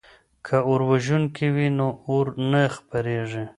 که اوروژونکي وي نو اور نه خپریږي.